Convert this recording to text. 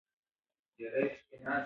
خپلسري پلټنه مشروع نه ده.